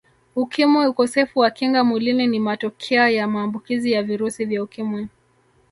Ukimwi Ukosefu wa Kinga Mwilini ni matokea ya maambukizi ya virusi vya Ukimwi